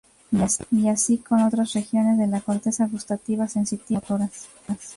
Y así con otras regiones de la corteza: gustativas, sensitivas o motoras.